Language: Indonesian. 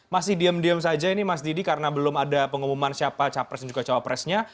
masih diem diem saja ini mas didi karena belum ada pengumuman siapa capres dan juga cawapresnya